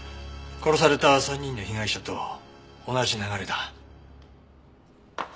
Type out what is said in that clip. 殺された３人の被害者と同じ流れだ。